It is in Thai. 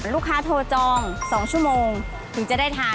ลูกค้าโทรจอง๒ชั่วโมงถึงจะได้ทาน